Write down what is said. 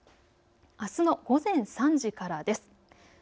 あすの午前３時からです。